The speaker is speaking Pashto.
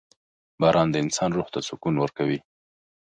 • باران د انسان روح ته سکون ورکوي.